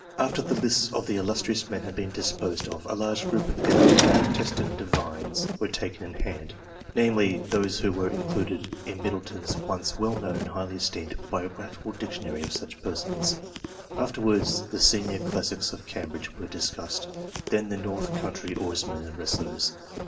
After the lists of the illustrious men had been disposed of, a large group of eminent Protestant divines were taken in hand namely, those who were in cluded in Middleton's once well known and highly esteemed biographical dictionary of such persons. Afterwards the Senior Classics of Cambridge were discussed, then the north country oarsmen and wrestlers.